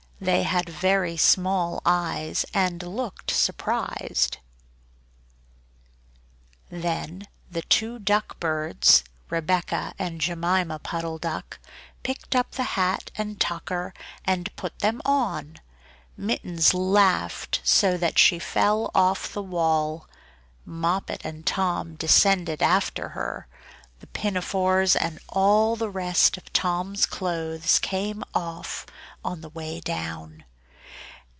They had very small eyes and looked surprised. Then the two duck birds, Rebeccah and Jemima Puddle Duck, picked up the hat and tucker and put them on. Mittens laughed so that she fell off the wall. Moppet and Tom descended after her; the pinafores and all the rest of Tom's clothes came off on the way down.